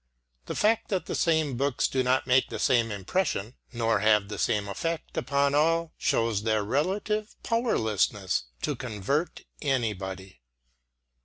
The fact that the same books do not make the same impression, nor have the same effect upon all, shows their relative powerlessness to convert anybody.